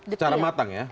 secara matang ya